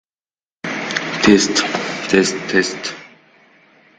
O‘zbekistonda korruptsiyachilarning ochiq elektron reestri tuziladi